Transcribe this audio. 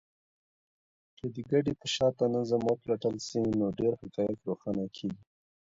که د کډه په شاته نظام وپلټل سي، نو ډېر حقایق روښانه کيږي.